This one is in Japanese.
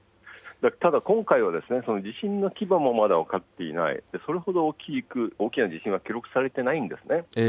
ただ、今回は地震の規模もまだ分かっていない、それほど大きな地震は記録されていないんですね。